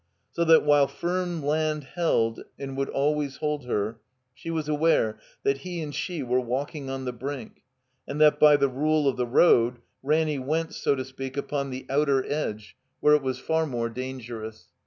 So that, while firm land held and would always hold her, she was aware that he and she were walking on the brink, and that by the rule of the road Ranny went, so to speak, upon the outer edge where it was 368 (I if THE COMBINED MAZE far more dangerous.